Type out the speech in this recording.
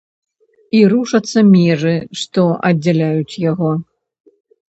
І рушацца межы, што аддзяляюць яго.